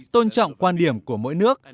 tôn trọng quan điểm của mỗi nước